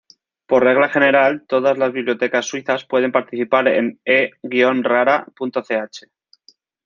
Por regla general, todas las bibliotecas suizas pueden participar en e-rara.ch.